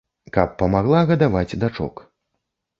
Каб памагла гадаваць дачок.